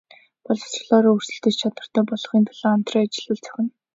Боловсролоороо өрсөлдөх чадвартай болгохын төлөө хамтран ажиллавал зохино.